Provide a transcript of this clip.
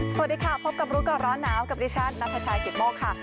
สวัสดีค่ะพบกับรู้ก่อนร้อนหนาวกับดิฉันนัทชายกิตโมกค่ะ